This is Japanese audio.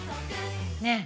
ねえ。